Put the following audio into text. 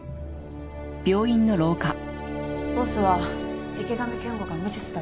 ボスは池上健吾が無実だと？